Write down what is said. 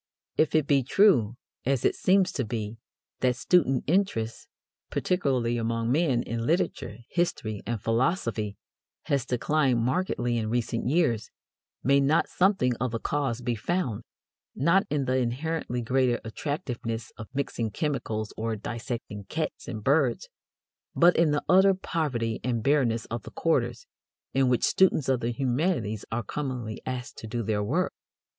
If it be true, as it seems to be, that student interest, particularly among men, in literature, history, and philosophy, has declined markedly in recent years, may not something of the cause be found, not in the inherently greater attractiveness of mixing chemicals or dissecting cats and birds, but in the utter poverty and bareness of the quarters in which students of the humanities are commonly asked to do their work?